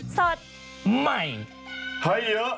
สวัสดีค่ะ